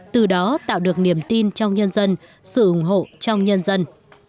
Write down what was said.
từ đó tạo được niềm tin trong nhân dân sự ủng hộ trong nhân dân